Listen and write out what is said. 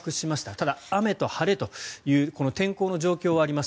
ただ、雨と晴れという天候の状況はあります。